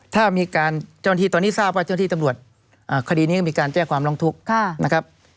ถ้ามีการเจ้าหน้าที่ตอนนี้ทราบว่าเจ้าหน้าที่ตำรวจคดีนี้ก็มีการแจ้งความร้องทุกข์นะครับ